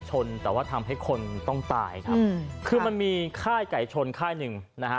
ชนแต่ว่าทำให้คนต้องตายครับคือมันมีค่ายไก่ชนค่ายหนึ่งนะฮะ